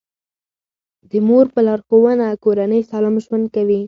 د مور په لارښوونه کورنۍ سالم ژوند کوي.